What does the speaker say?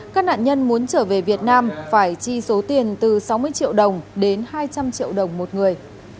các nạn nhân muốn trở về việt nam phải chi số tiền từ sáu mươi triệu đồng đến hai trăm linh triệu đồng một người